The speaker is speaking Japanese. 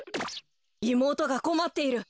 いもうとがこまっている。